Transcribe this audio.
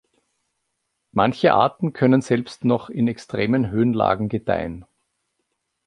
Manche Arten können selbst noch in extremen Höhenlagen gedeihen.